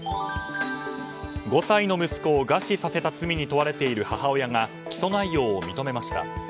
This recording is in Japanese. ５歳の息子を餓死させた罪に問われている母親が起訴内容を認めました。